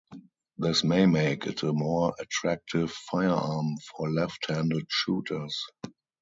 This may make it a more attractive firearm for left-handed shooters.